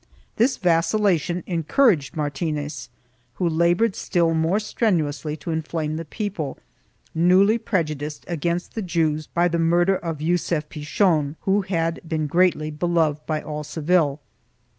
This vacillation encouraged Martinez who labored still more strenuously to inflame the people, newly prejudiced against the Jews by the murder of Yugaf Pichon, who had been greatly beloved by all Seville.